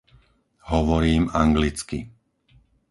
Hovorím anglicky.